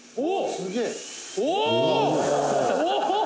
塙：「すげえ」